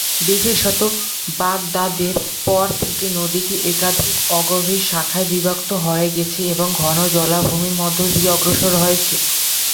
বিশেষত বাগদাদের পর থেকে নদীটি একাধিক অগভীর শাখার বিভক্ত হয়ে গেছে এবং ঘন জলাভূমির মধ্য দিয়ে অগ্রসর হয়েছে।